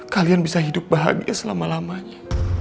kalian bisa hidup bahagia selama lamanya